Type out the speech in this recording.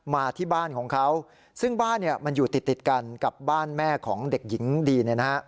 มาที่บ้านของเขาซึ่งบ้านมันอยู่ติดกันกับบ้านแม่ของเด็กหญิงดี